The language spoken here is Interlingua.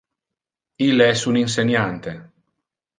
Ille es un inseniante.